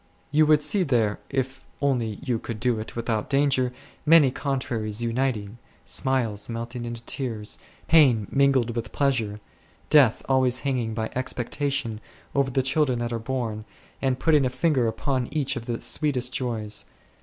You would see there, if only you could do it without danger, many contraries uniting ; smiles melting into tears, pain mingled with pleasure, death always hanging by expectation over the children that are born, and putting a finger upon each of the sweetest joys.